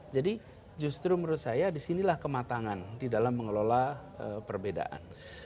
jadi justru menurut saya disinilah kematangan di dalam mengelola perbedaan